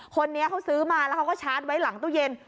คนนี้เขาซื้อมาแล้วเขาก็ชาร์จไว้หลังตู้เย็น